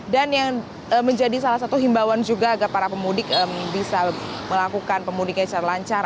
dan yang menjadi salah satu himbawan juga agar para pemudik bisa melakukan pemudiknya secara lancar